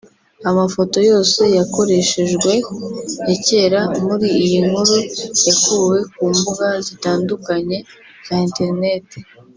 Amafoto yose yakoreshejwe ya kera muri iyi nkuru yakuwe ku mbuga zitandukanye za Internet